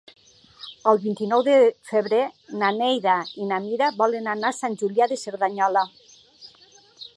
El vint-i-nou de febrer na Neida i na Mira volen anar a Sant Julià de Cerdanyola.